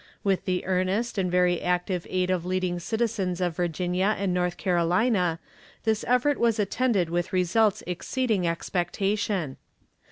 With the earnest and very active aid of leading citizens of Virginia and North Carolina, this effort was attended with results exceeding expectation.